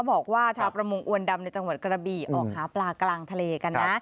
บอกว่าชาวประมงอวนดำในจังหวัดกระบี่ออกหาปลากลางทะเลกันนะ